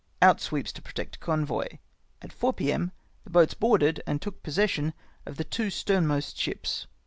Out sweeps to protect convoy. At 4 p.m. the boats boarded and took possession of the two stern most ships.